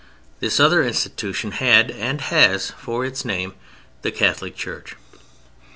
This other institution had (and has) for its name "The Catholic Church."